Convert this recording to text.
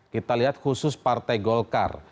kita lihat khusus partai golkar